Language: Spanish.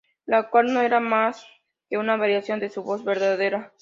La cual no era más que una variación de su voz verdadera.